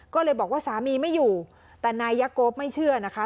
ก็เลยบอกว่าสามีไม่อยู่แต่นายยะโก๊ปไม่เชื่อนะคะ